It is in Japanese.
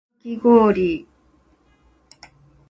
かきごおり